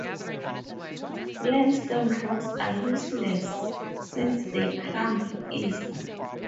Limestone rocks are useless since they crumble easily.